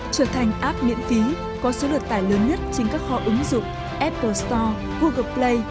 trở thành app miễn phí có số lượt tải lớn nhất trên các kho ứng dụng apple store google play